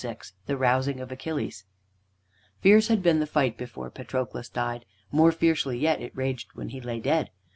VI THE ROUSING OF ACHILLES Fierce had been the fight before Patroclus died. More fiercely yet it raged when he lay dead.